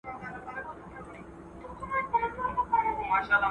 د بدن قوت لپاره ښه خواړه اړین دي.